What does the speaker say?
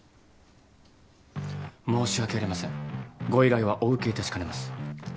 申し訳ありませんご依頼はお受けいたしかねます。